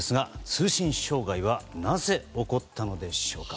通信障害はなぜ、起こったのでしょうか。